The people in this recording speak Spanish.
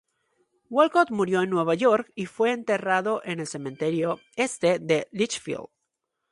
Wolcott murió en Nueva York y fue enterrado en el Cementerio Este de Litchfield.